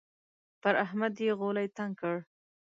پر احمد يې غولی تنګ کړ.